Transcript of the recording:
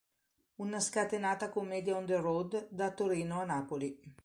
Una scatenata commedia on the road da Torino a Napoli.